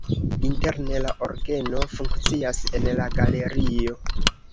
Interne la orgeno funkcias en la galerio.